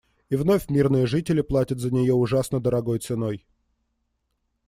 И вновь мирные жители платят за нее ужасно дорогой ценой.